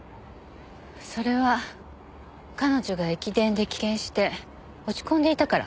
それは彼女が駅伝で棄権して落ち込んでいたから。